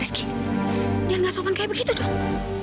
rizky jangan ngasupan kayak begitu dong